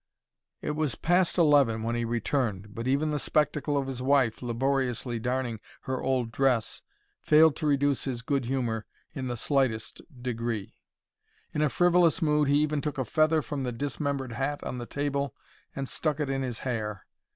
It was past eleven when he returned, but even the spectacle of his wife laboriously darning her old dress failed to reduce his good humour in the slightest degree. In a frivolous mood he even took a feather from the dismembered hat on the table and stuck it in his hair.